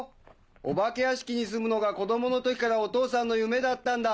お化け屋敷に住むのが子供の時からお父さんの夢だったんだ。